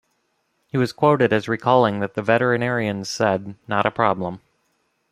He was quoted as recalling that The veterinarians said, 'Not a problem.